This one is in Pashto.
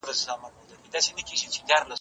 اوسمهال ټولنه د پرمختګ په لور روانه ده.